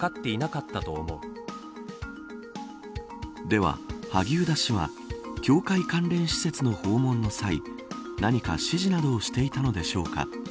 では、萩生田氏は教会関連施設の訪問の際何か指示などをしていたのでしょうか。